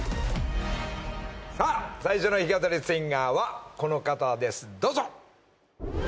さあ最初の弾き語りシンガーはこの方ですどうぞ！